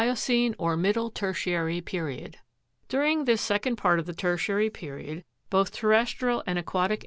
The Miocene, or middle tertiary period. During this second part of the tertiary period both terrestrial and aquatic ani 13.